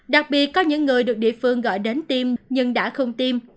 đặc biệt có những người được địa phương gọi đến tim nhưng đã không tiêm